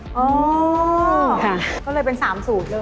อ๋อก็เลยเป็นสามศูนย์แล้ว